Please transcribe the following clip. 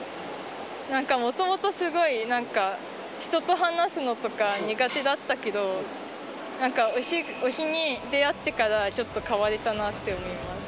なんかもともとすごい、なんか、人と話すのとか苦手だったけど、なんか推しに出会ってから、ちょっと変われたなって思います。